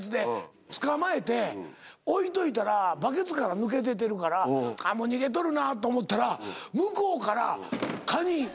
捕まえて置いといたらバケツから抜け出てるから逃げとるなと思ったら向こうからカニ。